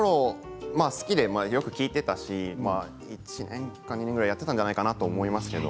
好きでよく聴いていたし１年、２年ぐらいやっていたんじゃないかなと思います。